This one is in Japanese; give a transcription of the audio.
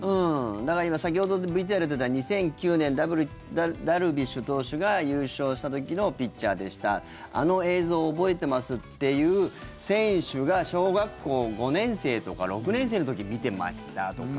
だから、先ほどＶＴＲで出た２００９年、ダルビッシュ投手が優勝した時のピッチャーでしたあの映像、覚えてますっていう選手が小学校５年生とか６年生の時見てましたとか。